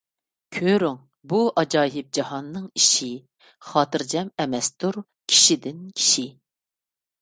كۆرۈڭ، بۇ ئاجايىپ جاھاننىڭ ئىشى، خاتىرجەم ئەمەستۇر كىشىدىن كىشى.